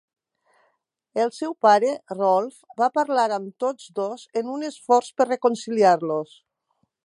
El seu pare, Rolf, va parlar amb tots dos en un esforç per reconciliar-los.